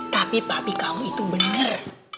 tapi papi kamu itu bener